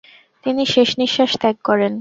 তিনি শেষ নিশ্বাস ত্যাগ করেন।